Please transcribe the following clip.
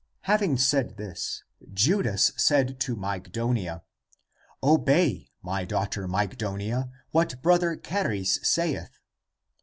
Having said this, Judas said to Mygdonia, " Obey, my daughter Mygdonia, what Brother Charis saith."